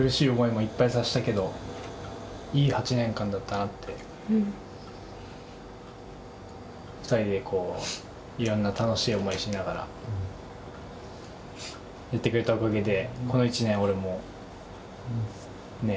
まあこううんうん何かうん２人でこう色んな楽しい思いしながらやってくれたおかげでこの１年俺もねえ